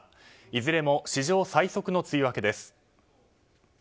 いずれも史上最速の梅雨明けです。